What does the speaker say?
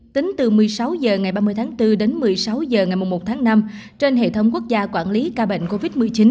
tính từ một mươi sáu h ngày ba mươi tháng bốn đến một mươi sáu h ngày một tháng năm trên hệ thống quốc gia quản lý ca bệnh covid một mươi chín